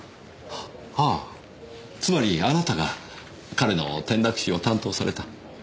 ああつまりあなたが彼の転落死を担当された。